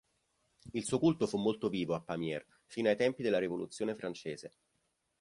Il suo culto fu molto vivo a Pamiers fino ai tempi della Rivoluzione francese.